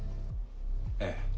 ええ。